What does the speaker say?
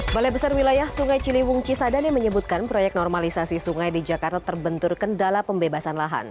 balai besar wilayah sungai ciliwung cisadani menyebutkan proyek normalisasi sungai di jakarta terbentur kendala pembebasan lahan